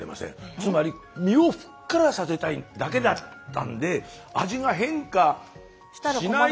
つまり身をふっくらさせたいだけだったんで味が変化しない。